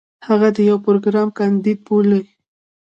هغه د يو پروګرام کانديد بولي.